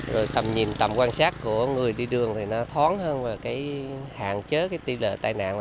rồi tầm nhìn tầm quan sát của người đi đường thì nó thoáng hơn và hạn chế tỷ lệ tài nạn